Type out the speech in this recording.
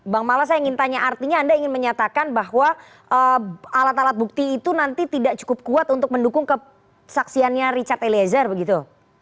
bang mala saya ingin tanya artinya anda ingin menyatakan bahwa alat alat bukti itu nanti tidak cukup kuat untuk mendukung kesaksiannya richard eliezer begitu